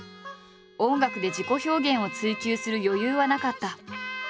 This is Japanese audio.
音楽で自己表現を追求する余裕はなかった。